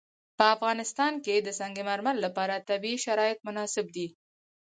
په افغانستان کې د سنگ مرمر لپاره طبیعي شرایط مناسب دي.